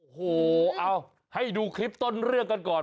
โอ้โหเอาให้ดูคลิปต้นเรื่องกันก่อน